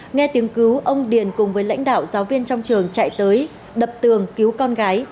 nghe tiếng cứu ông điền cùng với lãnh đạo giáo viên trong trường chạy tới đập tường cứu con gái